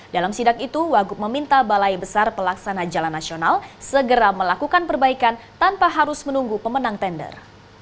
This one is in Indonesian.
dalam sidak itu wagup meminta balai besar pelaksana jalan nasional segera melakukan perbaikan tanpa harus menunggu pemenang tender